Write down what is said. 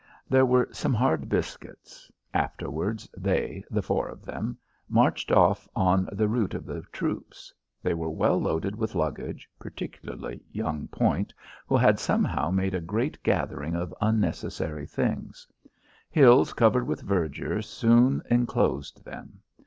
There were some hard biscuits. Afterwards they the four of them marched off on the route of the troops. They were well loaded with luggage, particularly young Point, who had somehow made a great gathering of unnecessary things. Hills covered with verdure soon enclosed them.